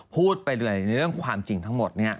พูดไปเลยเรื่องความจริงทั้งหมดเนี่ย